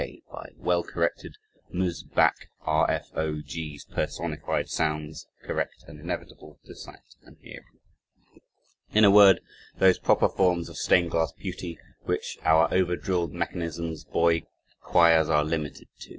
K.'d, by well corrected Mus. Bac. R.F.O.G.'s personified sounds, correct and inevitable to sight and hearing in a word, those proper forms of stained glass beauty, which our over drilled mechanisms boy choirs are limited to.